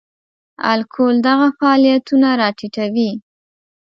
الکول دغه فعالیتونه را ټیټوي.